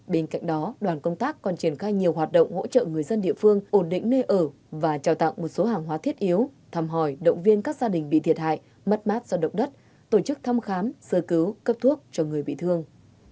bên cạnh đó đoàn công tác còn triển khai nhiều hoạt động hỗ trợ người dân địa phương ổn định nơi ở và trao tặng một số hàng hóa thiết yếu thăm hỏi động viên các gia đình bị thiệt hại mất mát do động đất tổ chức thăm khám sơ cứu cấp thuốc cho người bị thương